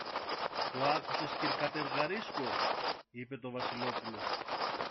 Το άκουσες, κυρ-Κατεργαρίσκο; είπε το Βασιλόπουλο.